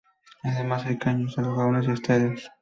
Además hay caños, lagunas y esteros.